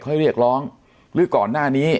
เรียกร้องหรือก่อนหน้านี้